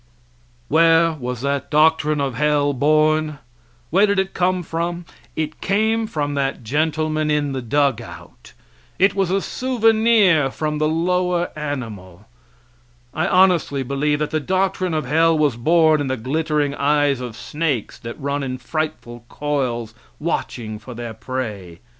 Where was that doctrine of hell born? Where did it come from? It came from that gentleman in the dug out; it was a souvenir from the lower animal. I honestly believe that the doctrine of hell was born in the glittering eyes of snakes that run in frightful coils watching for their prey.